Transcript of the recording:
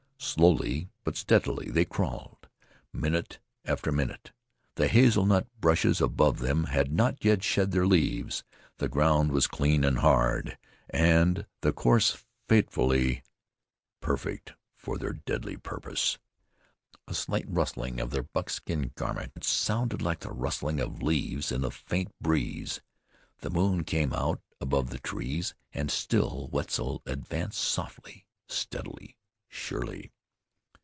Slowly but steadily they crawled, minute after minute. The hazel nut bushes above them had not yet shed their leaves; the ground was clean and hard, and the course fatefully perfect for their deadly purpose. A slight rustling of their buckskin garments sounded like the rustling of leaves in a faint breeze. The moon came out above the trees and still Wetzel advanced softly, steadily, surely.